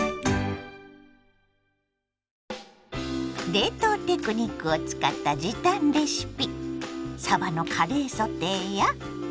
冷凍テクニックを使った時短レシピ。